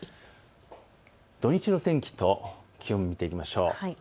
土日の天気と気温を見ていきましょう。